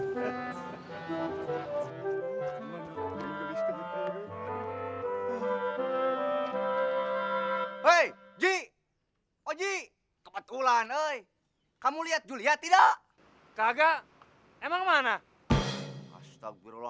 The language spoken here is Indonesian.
hai hai ji oji kebetulan oi kamu lihat julia tidak kagak emang mana astagfirullah